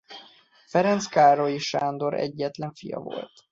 Ferenc Károlyi Sándor egyetlen fia volt.